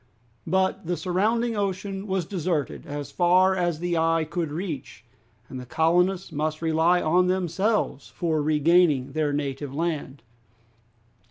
But the surrounding ocean was deserted as far as the eye could reach, and the colonists must rely on themselves for regaining their native land.